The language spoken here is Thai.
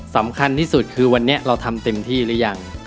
สำคัญที่สุดคือวันนี้เราทำเต็มที่หรือยัง